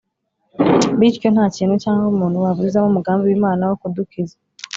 bityo nta kintu cyangwa umuntu waburizamo umugambi w'Imana wo kudukiza